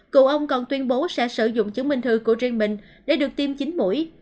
cựu ông còn tuyên bố sẽ sử dụng chứng minh thư của riêng mình để được tiêm chín mũi